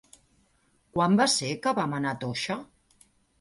Quan va ser que vam anar a Toixa?